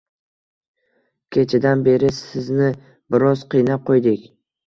Kechadan beri sizni biroz qiynab qo'ydik